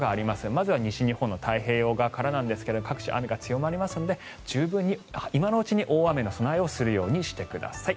まずは西日本の太平洋側からなんですが各地、雨が強まりますので十分に、今のうちに大雨の備えをするようにしてください。